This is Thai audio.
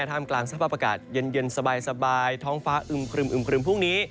ท่ามกลางสภาพอากาศเย็นสบายท้องฟ้าอึมครึมครึมพรุ่งนี้